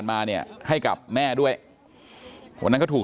แม่มาหาถึงบ้านก็ตื้นตันใจจนพูดอะไรไม่ถูกแม่มาหาถึงบ้านก็ตื้นตันใจจนพูดอะไรไม่ถูก